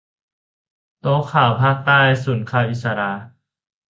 โต๊ะข่าวภาคใต้ ศูนย์ข่าวอิศรา